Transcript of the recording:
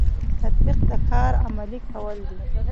تطبیق د کار عملي کول دي